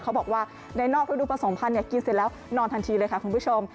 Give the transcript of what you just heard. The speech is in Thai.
เขาบอกว่าในนอกระดูกผสมพันธ์กินเสร็จแล้วนอนทันทีเลยค่ะคุณผู้ชม